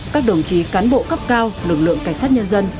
các đồng chí cán bộ cấp cao lực lượng cảnh sát nhân dân